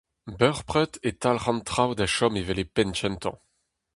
Bepred e talc’h an traoù da chom evel e penn kentañ.